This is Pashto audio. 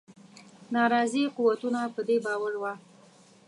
ناراضي قوتونه په دې باور وه.